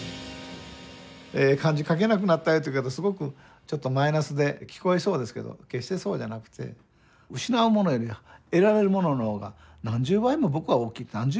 え漢字書けなくなったよというけどすごくちょっとマイナスで聞こえそうですけど決してそうじゃなくて失うものより得られるものの方が何十倍も僕は大きいと。